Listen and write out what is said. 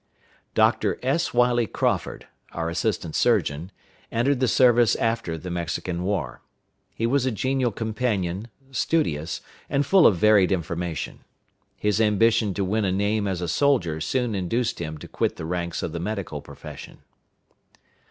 Doctor S. Wiley Crawford, our assistant surgeon, entered the service after the Mexican war. He was a genial companion, studious, and full of varied information. His ambition to win a name as a soldier soon induced him to quit the ranks of the medical profession.